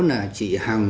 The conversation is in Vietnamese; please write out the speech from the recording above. là chị hằng